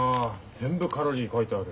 全部カロリー書いてある。